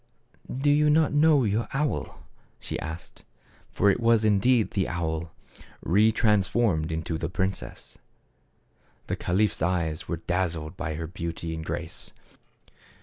"Do you not know your owl ?" she asked. For it was indeed the owl, re transformed into the princess. 104 THE CARAVAN. The caliph's eyes were dazzled by her beauty and grace.